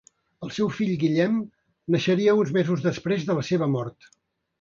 El seu fill Guillem naixeria uns mesos després de la seva mort.